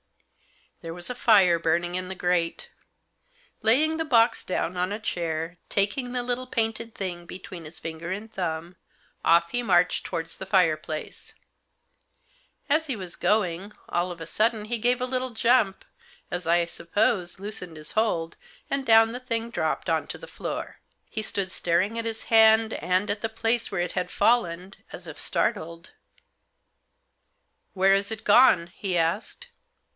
There was a fire burning in the grate. Laying the box down on a chair, taking the little painted thing between his finger and thumb, off he marched towards the fireplace. As he was going, all of a sudden he gave a little jump, as I suppose, loosened his hold, and down the thing dropped on to the floor. He stood staring at his hand, and at the place where it had fallen, as if startled. " Where's it gone ?" he asked.